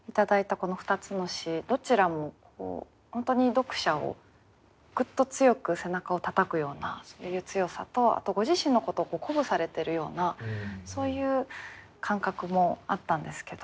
この２つの詩どちらも本当に読者をグッと強く背中をたたくようなそういう強さとあとご自身のことを鼓舞されてるようなそういう感覚もあったんですけど